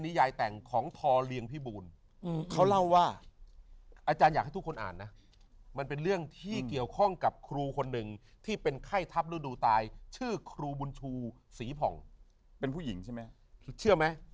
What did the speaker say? ยายแต่งของทอเรียงพิบูลเขาเล่าว่าอาจารย์อยากให้ทุกคนอ่านนะมันเป็นเรื่องที่เกี่ยวข้องกับครูคนหนึ่งที่เป็นไข้ทัพฤดูตายชื่อครูบุญชูศรีผ่องเป็นผู้หญิงใช่ไหมเชื่อไหม